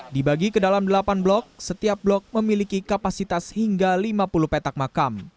dibagi ke dalam delapan blok setiap blok memiliki kapasitas hingga lima puluh petak makam